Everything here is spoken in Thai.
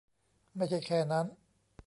ไม่ใช่แค่นั้น